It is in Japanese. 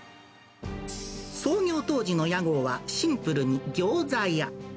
創業当時の屋号はシンプルに餃子や。